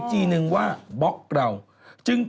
มีคนอันไหนเข้ามาดูหน่อยดิ